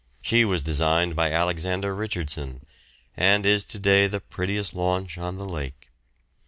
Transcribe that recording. She was designed by Alexander Richardson, and is to day the prettiest launch on the lake.